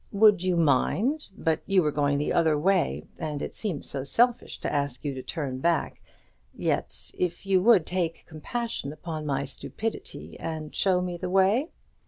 Would you mind but you were going the other way, and it seems so selfish to ask you to turn back; yet if you would take compassion upon my stupidity, and show me the way